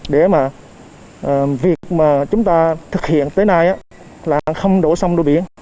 để mà việc mà chúng ta thực hiện tới nay là không đổ xong đôi biển